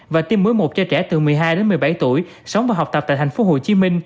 và tiêm muối một cho trẻ từ một mươi hai đến một mươi bảy tuổi sống và học tập tại tp hcm